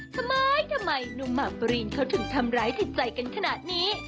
ทำไมนุ่มมามเบอรีนเขาถึงทำร้ายทิศใจกันขนาดนี้